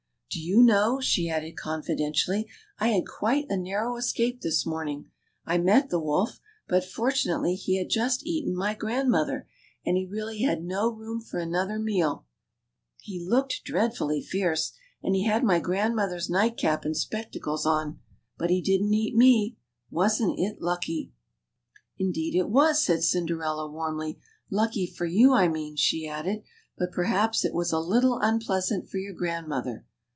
Do you know," she added confidentially, I had quite a narrow escape this morning. I met the Avolf, but fortunately he had just eaten my grandmother, and he really had no room for another meal. He looked dreadfully fierce, and he had my grandmother's night cap and spectacles on • but he didn't eat me ; wasn't it lucky?" „. CINDERELLA UP TO DATE. 19 Indeed it was/' said Cinderella warmly ;" lucky for you, I mean," she added ;" but perhaps it was a little unpleasant for your grandmother.